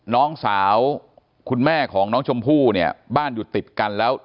น้องสาวคุณแม่ของน้องชมพู่เนี่ยบ้านอยู่ติดกันแล้ว